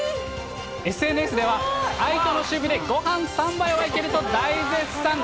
ＳＮＳでは、愛斗の守備でごはん３杯はいけると大絶賛。